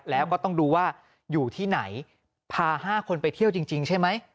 แล้วก็ต้องดูว่าอยู่ที่ไหนพา๕คนไปเที่ยวจริงใช่ไหม